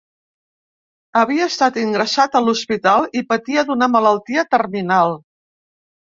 Havia estat ingressat a l’hospital i patia d’una malaltia terminal.